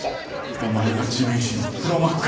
お前が地面師の黒幕か？